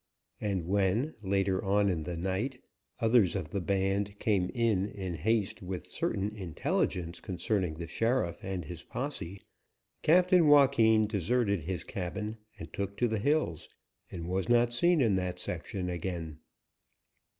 And when, later on in the night, others of the band came in in haste with certain intelligence concerning the sheriff and his posse, Captain Joaquin deserted his cabin and took to the hills, and was not seen in that section again.